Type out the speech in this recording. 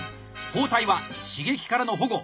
包帯は刺激からの保護。